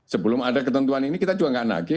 sebelum ada ketentuan ini kita juga nggak nagih